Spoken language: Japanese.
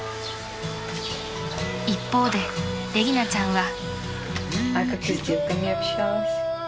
［一方でレギナちゃんは］